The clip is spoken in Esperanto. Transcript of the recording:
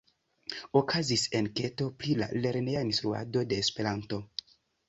Okazis enketo pri la lerneja instruado de Esperanto.